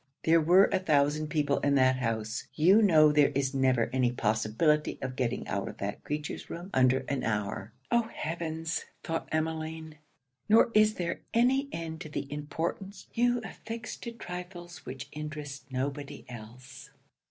There were a thousand people in the house; you know there is never any possibility of getting out of that creature's room under an hour.' [Oh! heaven! thought Emmeline, nor is there any end to the importance you affix to trifles which interest nobody else.